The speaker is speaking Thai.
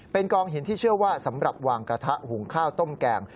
เป็นกองหินที่เชื่อว่าสำหรับวางกระทะหุงข้าวต้มแกง